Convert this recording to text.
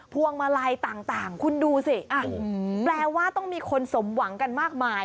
พวงมาลัยต่างคุณดูสิแปลว่าต้องมีคนสมหวังกันมากมาย